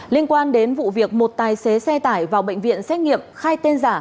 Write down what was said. liên quan đến vụ việc một tài xế xe tải vào bệnh viện xét nghiệm khai tên giả